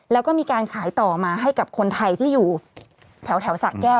แล้วก็มีการขายต่อมาให้กับคนไทยที่อยู่แถวสะแก้ว